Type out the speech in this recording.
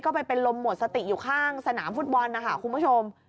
ก็ไปเป็นลมหมดสติอยู่ข้างสนามฟุตบอลนะคะคุณผู้ชม